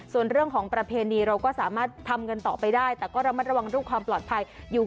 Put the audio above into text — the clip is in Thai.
ส่วนเรื่องของประเพณีเราก็สามารถทำเงินต่อไปได้แต่ก็ระมัดระวังเรื่องความปลอดภัยอยู่